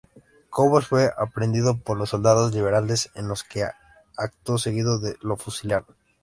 Cobos fue aprehendido por los soldados liberales en el que acto seguido lo fusilaron.